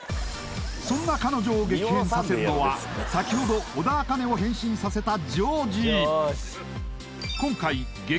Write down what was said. そんな彼女を激変させるのは先ほど小田茜を変身させたＧｅｏｒｇｅ